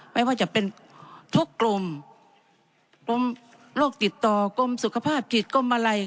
ไม่ว่าจะเป็นทุกกลุ่มกรมโรคติดต่อกรมสุขภาพจิตกรมอะไร